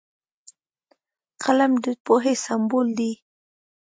قلم د پوهې سمبول دی